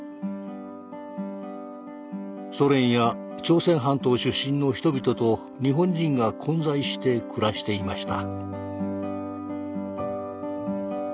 ソ連や朝鮮半島出身の人々と日本人が混在して暮らしていました。